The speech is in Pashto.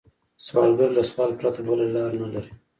سوالګر له سوال پرته بله لار نه لري